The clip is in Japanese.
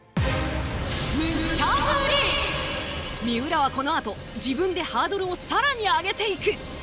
三浦はこのあと自分でハードルを更に上げていく。